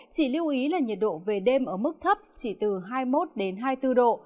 chỉ lưu ý là nhiệt độ về đêm ở mức thấp chỉ từ hai mươi một hai mươi bốn độ